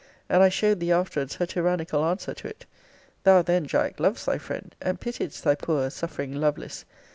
* And I showed thee afterwards her tyrannical answer to it. Thou, then, Jack, lovedst thy friend; and pitiedst thy poor suffering Lovelace.